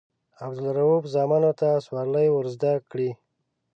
عبدالروف زامنو ته سورلۍ ورزده کړي.